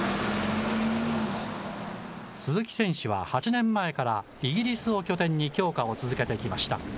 鈴木選手は８年前からイギリスを拠点に強化を続けてきました。